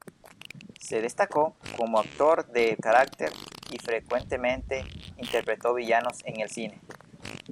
Se destacó como actor de carácter y frecuentemente interpretó villanos en el cine.